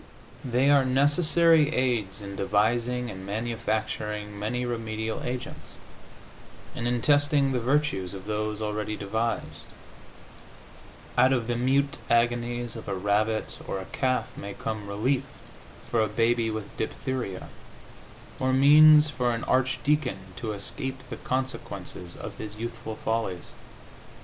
They are necessary aids in devising and manufacturing many remedial agents, and in testing the virtues of those already devised; out of the mute agonies of a rabbit or a calf may come relief for a baby with diphtheria, or means for an archdeacon to escape the consequences of his youthful follies.